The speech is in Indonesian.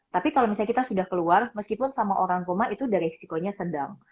tapi kalau misalnya kita sudah keluar meskipun sama orang rumah itu resikonya sedang